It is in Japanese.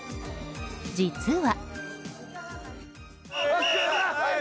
実は。